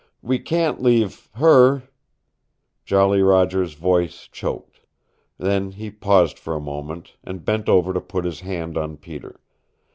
We can't leave her " Jolly Roger's voice choked. Then he paused for a moment, and bent over to put his hand on Peter.